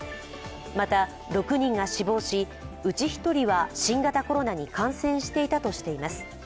また６人が死亡し、うち１人は新型コロナに感染していたとしています。